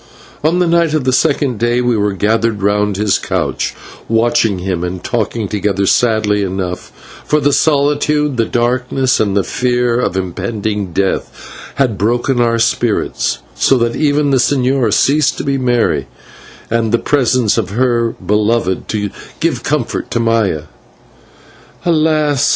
On the night of the second day we were gathered round his couch, watching him and talking together sadly enough, for the solitude, and the darkness, and the fear of impending death had broken our spirits, so that even the señor ceased to be merry, and the presence of her beloved to give comfort to Maya. "Alas!"